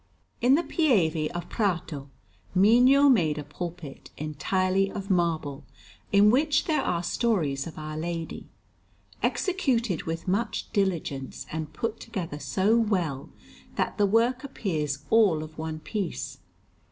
In the Pieve of Prato Mino made a pulpit entirely of marble, in which there are stories of Our Lady, executed with much diligence and put together so well, that the work appears all of one piece.